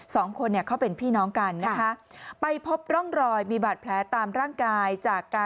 สองคนเขาเป็นพี่น้องกันนะคะ